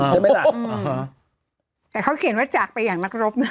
ใช่ไหมล่ะแต่เขาเขียนว่าจากไปอย่างนักรบนะ